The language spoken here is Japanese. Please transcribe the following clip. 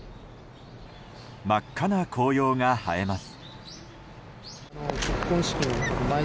真っ赤な紅葉が映えます。